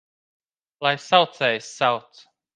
Lai saucējs sauc!